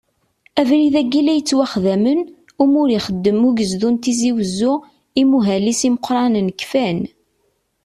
Abrid-agi la yettwaxdamen, amur ixeddem ugezdu n Tizi Uzzu, imuhal-is imeqqranen kfan.